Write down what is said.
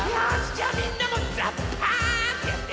じゃあみんなも「ざっぱーん！」ってやって。